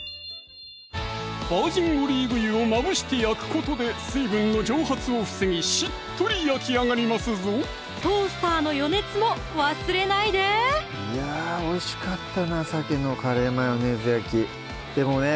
バージンオリーブ油をまぶして焼くことで水分の蒸発を防ぎしっとり焼き上がりますぞトースターの予熱も忘れないでいやぁおいしかったな「鮭のカレーマヨネーズ焼き」でもね